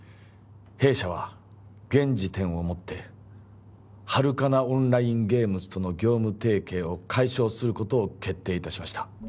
弊社は現時点をもってハルカナ・オンライン・ゲームズとの業務提携を解消することを決定いたしました